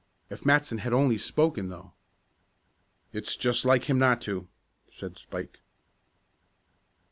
If Matson had only spoken, though!" "It's just like him not to," said Spike.